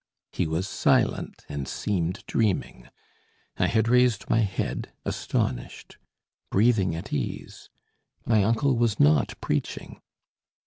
He was silent and seemed dreaming. I had raised my head, astonished, breathing at ease. My uncle was not preaching.